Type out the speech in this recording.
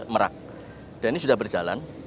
merak dan ini sudah berjalan